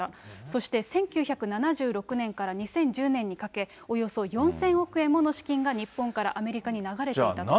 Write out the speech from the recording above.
そして、１９７６年から２０１０年にかけ、およそ４０００億円もの資金が日本からアメリカに流れていたと。